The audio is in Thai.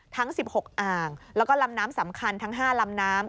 ทั้ง๑๖อ่างแล้วก็ลำน้ำสำคัญทั้ง๕ลำน้ำ